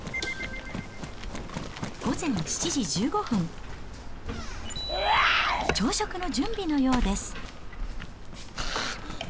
午前７時１５分、朝食の準備のようです。